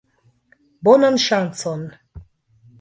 Bonan ŝancon!